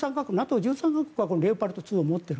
１３か国がこのレオパルト２を持っている。